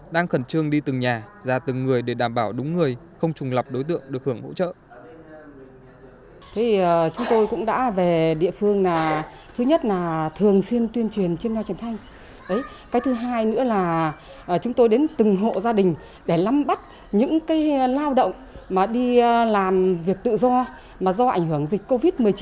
đang khẩn trương đi từng nhà ra từng người để đảm bảo đúng người không trùng lập đối tượng được hưởng hỗ trợ